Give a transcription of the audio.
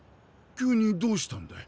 急にどうしたんだい？